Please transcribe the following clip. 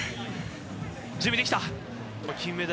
準備できた。